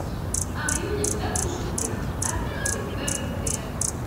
Aɣyul n baba u jeddi rniɣ rrekba ɣer deffier!